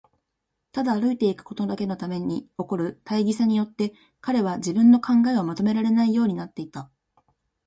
ただ歩いていくことだけのために起こる大儀さによって、彼は自分の考えをまとめられないようになっていた。